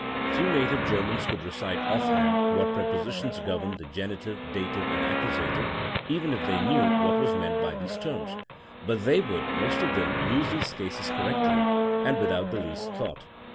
Few native Germans could recite offhand what prepositions govern the genitive, dative and accusative, even if they knew what was meant by these terms. But they would (most of them) use these cases correctly, and without the least thought.